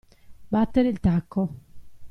Battere il tacco.